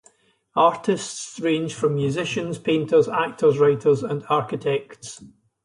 Artists range from musicians, painters, actors, writers and architects.